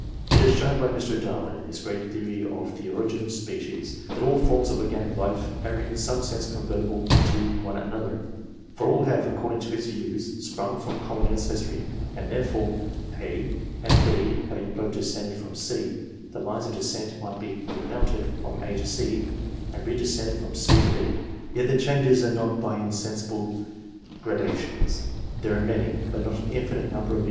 It is shown by Mr. Darwin, in his great theory of " The Origin of Species," that all forms of organic life are in some sense convertible into one another, for all have, according to his views, sprung from common ancestry, and therefore A and B having both descended from C, the lines of descent might be remounted from A to C, and redescended from C to B. <(Yek the changes arenotjby_ ,. insensible gradations ; there are many, but not an infinite number of int.